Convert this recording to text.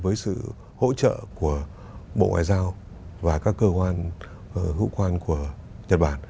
với sự hỗ trợ của bộ ngoại giao và các cơ quan hữu quan của nhật bản